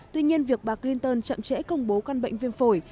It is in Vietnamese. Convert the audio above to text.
tuy nhiên việc bà clinton chậm trễ công bố căn bệnh viêm phổi